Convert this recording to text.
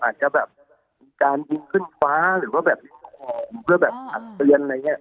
อาจจะแบบมีการยิงขึ้นฟ้าหรือว่าแบบเพื่อแบบตักเตือนอะไรอย่างนี้